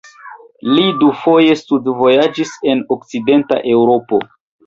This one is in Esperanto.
Li dufoje studvojaĝis en okcidenta Eŭropo.